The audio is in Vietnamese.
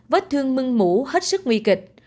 vết thương mưng mũ hết sức nguy kịch